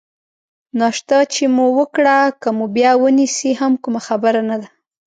ناشته چې مو وکړه، که مو بیا ونیسي هم کومه خبره نه ده.